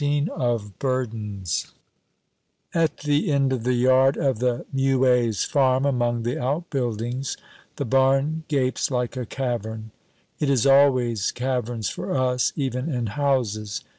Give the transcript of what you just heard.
XIV Of Burdens AT the end of the yard of the Muets farm, among the outbuildings, the barn gapes like a cavern. It is always caverns for us, even in houses!